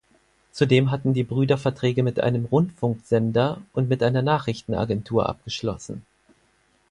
Zudem hatten die Brüder Verträge mit einem Rundfunksender und mit einer Nachrichtenagentur abgeschlossen.